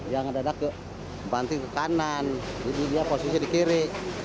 yang ada ada membanting ke kanan jadi dia posisi di kiri